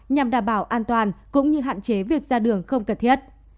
nhằm đảm bảo an toàn cũng như hạn chế việc ra đường không cần thiết